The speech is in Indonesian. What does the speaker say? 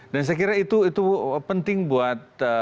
dan saya kira itu penting buat